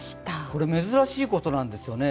これは珍しいことなんですよね。